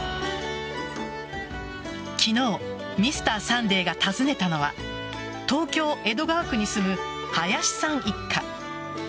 昨日「Ｍｒ．サンデー」が訪ねたのは東京・江戸川区に住む林さん一家。